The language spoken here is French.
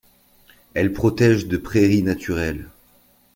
Elle protège de prairie naturelle.